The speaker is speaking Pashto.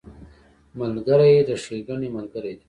ملګری د ښېګڼې ملګری دی